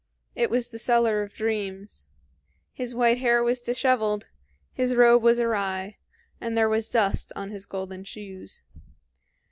It was the seller of dreams. His white hair was disheveled, his robe was awry, and there was dust on his golden shoes.